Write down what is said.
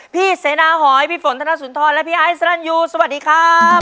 พี่เสนาหอยพี่ฝนธนสุนทรและพี่ไอซ์สรรยูสวัสดีครับ